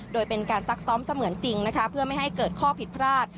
โดยเป็นการซักซ้อมเสมือนจริงนะคะเพื่อไม่ให้เกิดข้อผิดพลาด